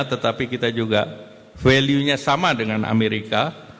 tetapi kita juga value nya sama dengan amerika